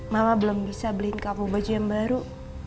mama belum bisa beliin kampung baju yang baru